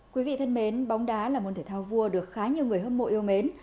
quý vị thân mến bóng đá là môn thể thao vua được khá nhiều người hâm mộ yêu mến